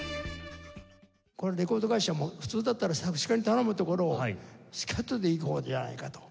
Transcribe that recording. レコード会社も普通だったら作詞家に頼むところをスキャットでいこうじゃないかと。